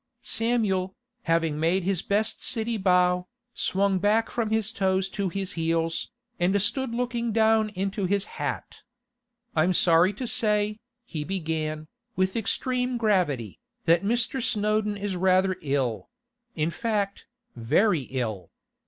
Samuel, having made his best City bow, swung back from his toes to his heels, and stood looking down into his hat. 'I'm sorry to say,' he began, with extreme gravity, 'that Mr. Snowdon is rather ill—in fact, very ill.